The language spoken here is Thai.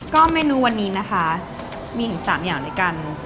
ก็เมนูวันนี้นะคะมี๓อย่างในกัน